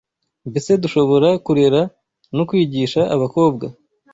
mbese dushobora kurera no kwigisha abakobwa